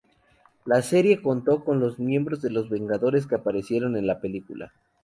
La serie contó con los miembros de los Vengadores que aparecieron en la película.